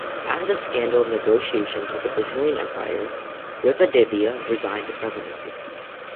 After the scandal of negotiations with the Brazilian Empire, Rivadavia resigned the presidency.